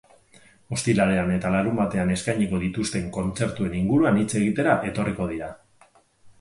Ostiralean eta larunbatean eskainiko dituzten kontzertuen inguruan hitz egitera etorriko dira.